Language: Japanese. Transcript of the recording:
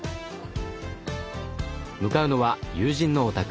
向かうのは友人のお宅。